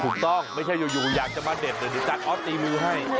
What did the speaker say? ถูกต้องไม่ใช่อยู่อยากจะมาเด็ดเลยเนี่ยจานออสตีมือให้